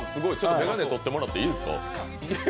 眼鏡、取ってもらっていいですか。